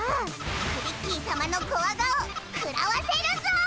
クリッキーさまのコワ顔食らわせるぞ！